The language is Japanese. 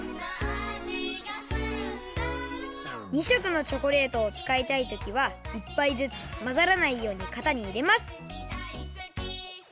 ２しょくのチョコレートをつかいたいときは１ぱいずつまざらないようにかたにいれます。